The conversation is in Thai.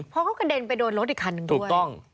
เพราะเขากระเด็นไปโดนรถอีกคันหนึ่งด้วยถูกต้อง